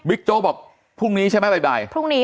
วิกโจ๊กบอกปรุงนี้ใช่มั้ยบาย